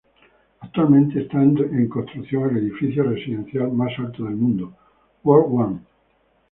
Actualmente está en construcción el edificio residencial más alto del mundo, World One.